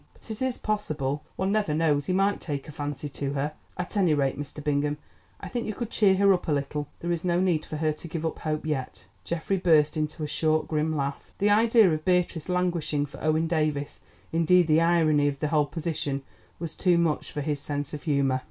But it is possible; one never knows; he might take a fancy to her. At any rate, Mr. Bingham, I think you could cheer her up a little; there is no need for her to give up hope yet." Geoffrey burst into a short grim laugh. The idea of Beatrice languishing for Owen Davies, indeed the irony of the whole position, was too much for his sense of humour.